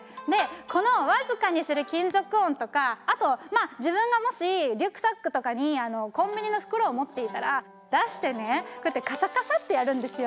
この僅かにする金属音とかあとまあ自分がもしリュックサックとかにコンビニの袋を持っていたら出してねこうやってカサカサッてやるんですよ。